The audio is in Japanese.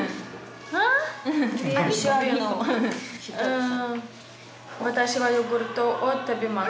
うん私はヨーグルトを食べます。